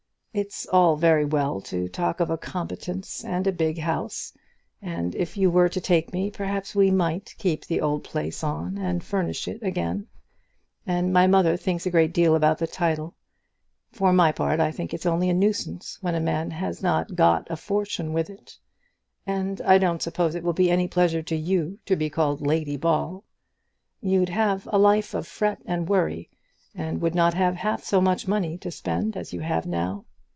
It's all very well to talk of a competence and a big house, and if you were to take me, perhaps we might keep the old place on and furnish it again, and my mother thinks a great deal about the title. For my part I think it's only a nuisance when a man has not got a fortune with it, and I don't suppose it will be any pleasure to you to be called Lady Ball. You'd have a life of fret and worry, and would not have half so much money to spend as you have now.